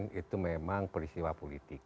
itu memang peristiwa politik